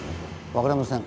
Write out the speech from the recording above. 分かりません。